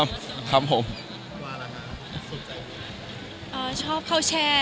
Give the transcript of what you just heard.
แล้วแม่งคุณชอบการอาหารด้วยหรอ